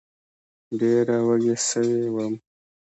ډېره وږې سوې وم